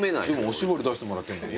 お絞り出してもらってんのに？